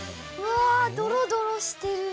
わドロドロしてる。